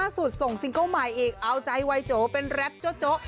ส่วนสิงค์โก้ใหม่อีกเอาใจวัยโจเป็นแร็บโจ้โจ